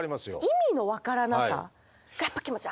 意味の分からなさがやっぱ気持ち悪いなって。